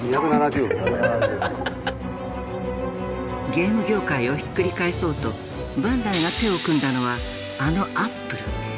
ゲーム業界をひっくり返そうとバンダイが手を組んだのはあのアップル。